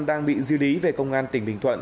đang bị di lý về công an tỉnh bình thuận